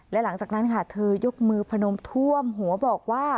และหลังจากนั้นค่ะเธอยกมือพนมท่วมหัวบอกว่า